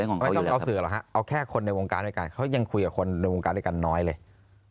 ไม่ต้องเอาสื่อหรอกฮะเอาแค่คนในวงการด้วยกันเขายังคุยกับคนในวงการด้วยกันน้อยเลย